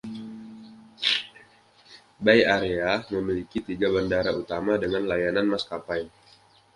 Bay Area memiliki tiga bandara utama dengan layanan maskapai.